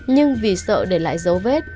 nhưng vì sợ để lại dấu vết